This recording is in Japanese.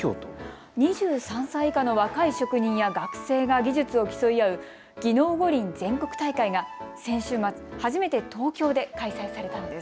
２３歳以下の若い職人や学生が技術を競い合う技能五輪全国大会が先週末、初めて東京で開催されたんです。